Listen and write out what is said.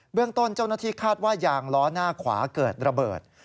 เรื่องต้นเจ้าหน้าที่คาดว่ายางล้อหน้าขวาเกิดระเบิด